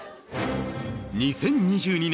２０２２年